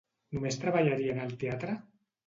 Només treballaria en el teatre?